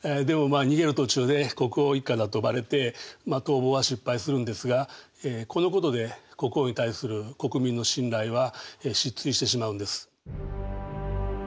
でも逃げる途中で国王一家だとバレて逃亡は失敗するんですがこのことで国王に対する国民の信頼は失墜してしまうんです。